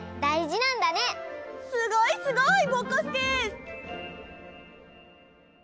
すごいすごい！ぼこすけ。